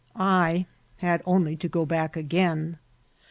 I had only to go back again.